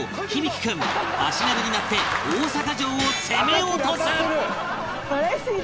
大君足軽になって大阪城を攻め落とす！